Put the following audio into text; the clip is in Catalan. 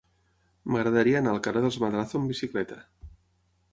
M'agradaria anar al carrer dels Madrazo amb bicicleta.